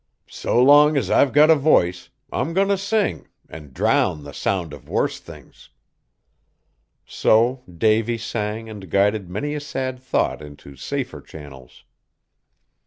So long as I've got a voice, I'm goin' t' sing, an' drown the sound of worse things." So Davy sang and guided many a sad thought into safer channels.